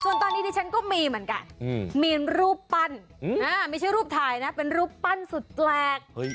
ส่วนตอนนี้ดิฉันก็มีเหมือนกันมีรูปปั้นไม่ใช่รูปถ่ายนะเป็นรูปปั้นสุดแปลก